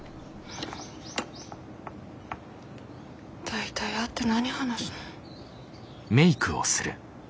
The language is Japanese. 大体会って何話すの。